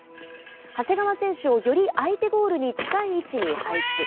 長谷川選手をより相手ゴールに近い位置に配置。